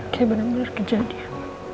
kayak bener bener kejadian